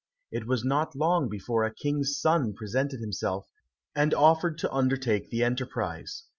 It was not long before a King's son presented himself, and offered to undertake the enterprise.